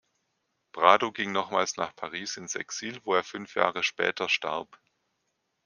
Prado ging nochmals nach Paris ins Exil, wo er fünf Jahre später starb.